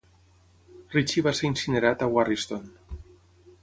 Ritchie va ser incinerat a Warriston.